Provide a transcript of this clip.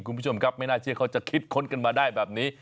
คุณผู้ชมครับไม่น่าเชื่อเขาจะคิดค้นกันมาได้แบบนี้